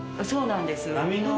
そうなんです。